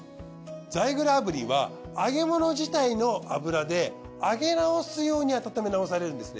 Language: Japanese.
ザイグル炙輪は揚げ物自体の油で揚げ直すように温め直されるんですね。